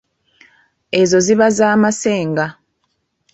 Ezo ziba za masenga.